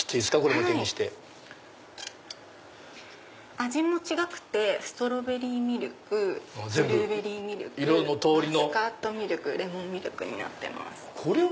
味も違くてストロベリーミルクブルーベリーミルクマスカットミルクレモンミルクになってます。